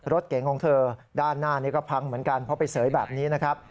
รถเก๋งของเธอด้านหน้านี้ก็พังเหมือนกันเพราะไปเสยแบบนี้นะครับ